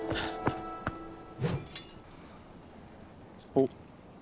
おっ！